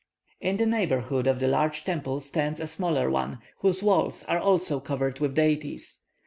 In the neighbourhood of the large temple stands a smaller one, whose walls are also covered with deities.